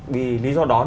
vì lý do đó